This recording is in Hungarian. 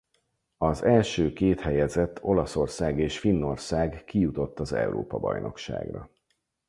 Az első két helyezett Olaszország és Finnország kijutott az Európa-bajnokságra.